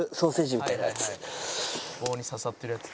「棒に刺さってるやつ」